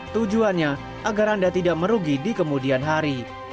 tujuannya agar anda tidak merugi di kemudian hari